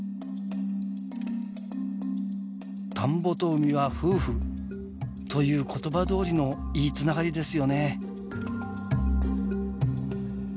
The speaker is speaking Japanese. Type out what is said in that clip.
「田んぼと海は夫婦」という言葉どおりのいいつながりですよね。